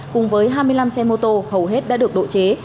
cùng với hai mươi năm xe mô tô hầu hết đã được độ chế